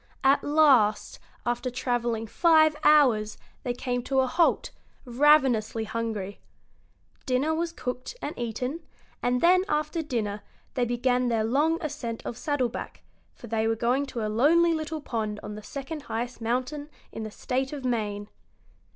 At last, after travelling five hours, they came to a halt, ravenously hungry. Dinner was cooked and eaten, and then, after dinner, they began their long ascent of Saddleback, for they were going to a lonely little pond on the second highest mountain in the State of Maine.